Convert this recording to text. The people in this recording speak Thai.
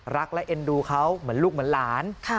รักและเอ็นดูเขาเหมือนลูกเหมือนหลาน